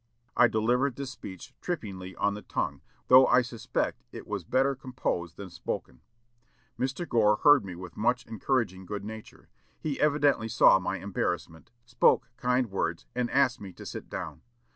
I delivered this speech trippingly on the tongue, though I suspect it was better composed than spoken. Mr. Gore heard me with much encouraging good nature. He evidently saw my embarrassment; spoke kind words, and asked me to sit down.